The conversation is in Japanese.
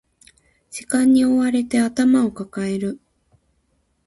時間に追われて頭を抱える